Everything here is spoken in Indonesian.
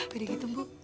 beda gitu bu